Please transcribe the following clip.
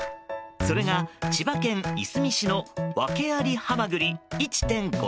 それが、千葉県いすみ市の訳ありハマグリ１．５ｋｇ。